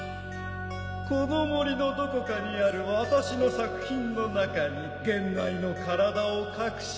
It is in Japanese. この森のどこかにある私の作品の中に源内の体を隠しました。